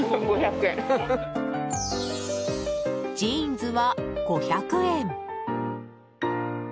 ジーンズは５００円。